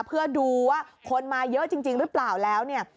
เพื่อดูว่าคนมาเยอะจริงหรือเปล่าแล้วเนี่ย